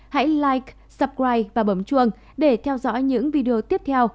hãy like subscribe và bấm chuông để theo dõi những video tiếp theo